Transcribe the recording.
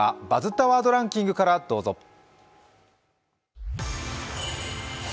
「バズったワードランキング」からどうぞ。